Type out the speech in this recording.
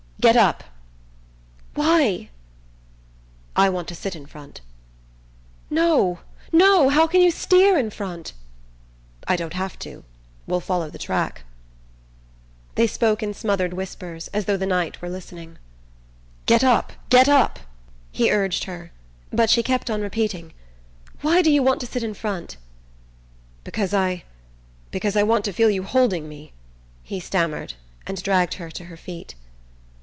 "Get up!" "Why?" "I want to sit in front." "No, no! How can you steer in front?" "I don't have to. We'll follow the track." They spoke in smothered whispers, as though the night were listening. "Get up! Get up!" he urged her; but she kept on repeating: "Why do you want to sit in front?" "Because I because I want to feel you holding me," he stammered, and dragged her to her feet.